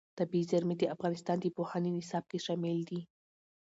طبیعي زیرمې د افغانستان د پوهنې نصاب کې شامل دي.